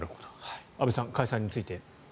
安部さん解散について。